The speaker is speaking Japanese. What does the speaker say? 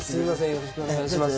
よろしくお願いします